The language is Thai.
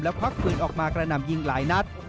ควักปืนออกมากระหน่ำยิงหลายนัด